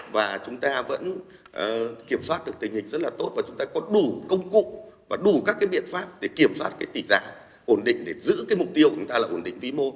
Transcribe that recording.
và chúng ta vẫn kiểm soát được tình hình rất là tốt và chúng ta có đủ công cụ và đủ các cái biện pháp để kiểm soát cái tỷ giá ổn định để giữ cái mục tiêu của chúng ta là ổn định vĩ mô